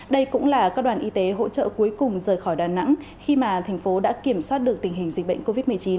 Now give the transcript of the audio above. đây cũng là các đoàn y tế hỗ trợ cuối cùng rời khỏi đà nẵng khi mà thành phố đã kiểm soát được tình hình dịch bệnh covid một mươi chín